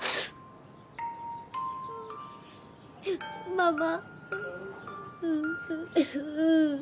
ママ。